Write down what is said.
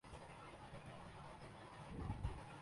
FIFA World cup کی runner up team کا وطن واپسی پر شاندار استقبال